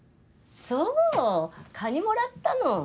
そうカニもらったの。